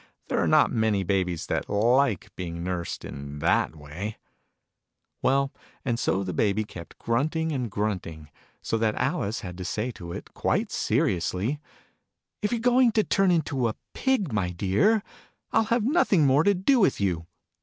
There are not many babies that like being nursed in that way ! Well, and so the Baby kept grunting, and grunting . so that Alice had to say to it, quite seriously, " If you're going to turn into a Pig , my dear, I'll have nothing more to do with you.